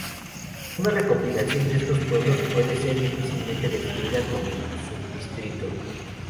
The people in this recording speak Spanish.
Una recopilación de estos pueblos puede ser difícilmente definida como subdistrito.